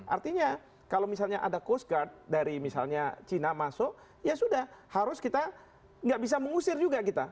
artinya kalau misalnya ada coast guard dari misalnya cina masuk ya sudah harus kita nggak bisa mengusir juga kita